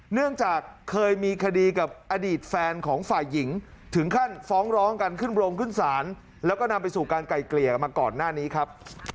เนื่องจากเคยมีคดีกับอดีตแฟนของฝ่ายหญิงถึงขั้นฟ้องร้องกันขึ้นโรงขึ้นศาลแล้วก็นำไปสู่การไกลเกลี่ยกันมาก่อนหน้านี้ครับ